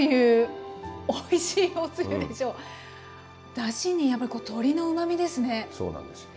だしにやっぱり鶏のうまみですね。